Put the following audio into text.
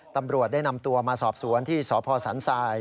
ตำรวจได้นำตัวมาสอบสวนที่สพสันทราย